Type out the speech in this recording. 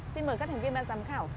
xin mời các thành viên và giám khảo